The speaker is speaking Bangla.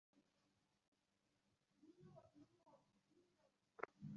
রেডিও ট্রান্সমিটার কাজ করছে।